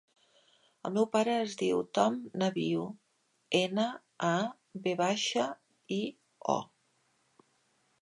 El meu pare es diu Tom Navio: ena, a, ve baixa, i, o.